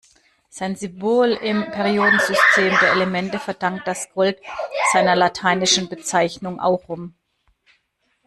Sein Symbol im Periodensystem der Elemente verdankt das Gold seiner lateinischen Bezeichnung, aurum.